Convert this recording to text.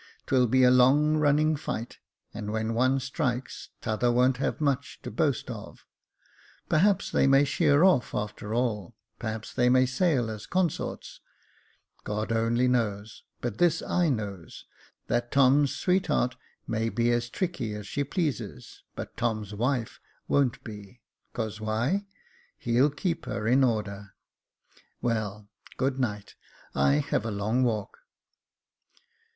'Twill be a long running fight, and when one strikes, t'other wo' n't have much to boast of. Perhaps they may sheer off after all — perhaps they may sail as consorts ; God only knows ; but this I knows, that Tom's sweet heart may be as tricky as she pleases, but Tom's wife wo'n't be, — 'cause why ? He'll keep her in order. Weil, good night ; I have a long walk."